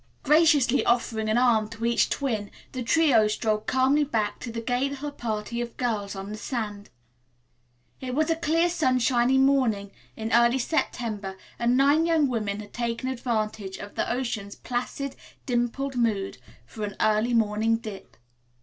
Graciously offering an arm to each twin, the trio strolled calmly back to the gay little party of girls on the sands. It was a clear, sunshiny morning in early September and nine young women had taken advantage of the ocean's placid, dimpled mood for an early morning dip.